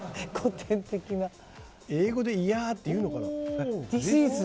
英語でいやーって言うのかな？